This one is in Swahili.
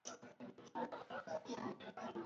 a viongozi huku kwenye jamhuri ya muungano